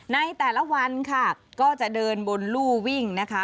ในแต่ละวันค่ะก็จะเดินบนลู่วิ่งนะคะ